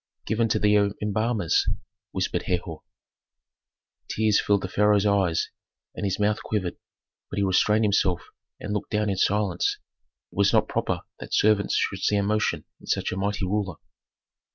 "Given to the embalmers," whispered Herhor. Tears filled the pharaoh's eyes, and his mouth quivered, but he restrained himself and looked down in silence. It was not proper that servants should see emotion in such a mighty ruler.